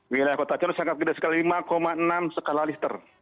wilayah kota cianjur sangat besar sekitar lima enam skala liter